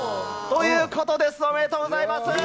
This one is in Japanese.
ということです、おめでとうございます。